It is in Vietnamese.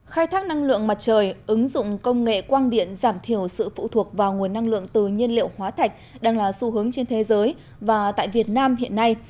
khai thác năng lượng mặt trời ứng dụng công nghệ quang điện giảm thiểu sự phụ thuộc vào nguồn năng lượng từ nhiên liệu hóa thạch đang là xu hướng trên thế giới và tại việt nam hiện nay